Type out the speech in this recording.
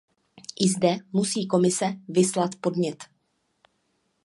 I zde musí Komise vyslat podnět.